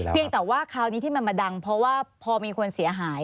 เพียงแต่ว่าคราวนี้ที่มันมาดังเพราะว่าพอมีคนเสียหาย